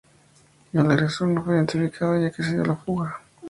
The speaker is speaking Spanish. El agresor no fue identificado ya que se dio a la fuga.